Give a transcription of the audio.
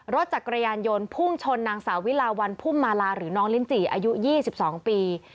รถจักรยานยนต์พุ่งชนนางสาวิลาวันพุ่มมาลาหรือน้องลิ้นจีอายุ๒๒ปี